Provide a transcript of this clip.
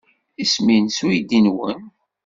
Isem-nnes uydi-nwen?